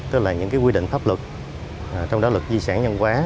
tức là những quy định pháp luật trong đó luật di sản nhân quá